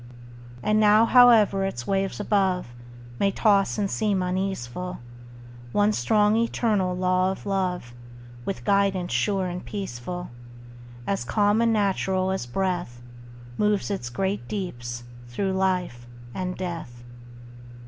And now, howe'er its waves above May toss and seem uneaseful, One strong, eternal law of Love, With guidance sure and peaceful, As calm and natural as breath, Moves its great deeps through life and death.